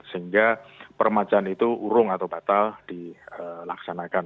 sehingga permajaan itu urung atau batal dilaksanakan